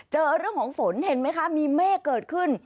เจอเรื่องของฝนเห็นไหมคะมีเมฆเกิดขึ้น